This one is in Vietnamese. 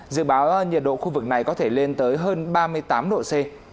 dự báo nhiệt độ khu vực này có thể lên tới hơn ba mươi tám độ c